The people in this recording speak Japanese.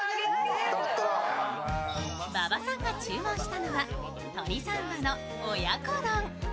馬場さんが注文したのは鶏三和の親子丼。